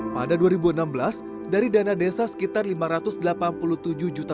pada dua ribu enam belas dari dana desa sekitar rp lima ratus delapan puluh tujuh juta